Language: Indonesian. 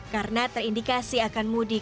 karena terindikasi akan muntah